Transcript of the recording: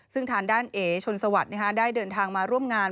ซึ่งทางด้านเอ๋ชนสวัสดิ์ได้เดินทางมาร่วมงาน